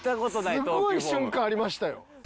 すごい瞬間ありましたよ。